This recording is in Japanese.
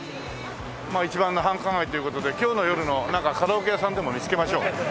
一番の繁華街という事で今日の夜のなんかカラオケ屋さんでも見つけましょう。